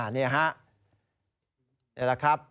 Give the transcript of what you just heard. นี่แหละครับ